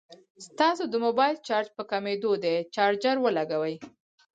ستاسو د موبايل چارج په کميدو دی ، چارجر ولګوئ